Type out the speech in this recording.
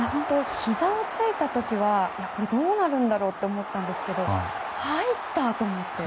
ひざをついた時はどうなるんだろうと思ったんですけど入った！と思って。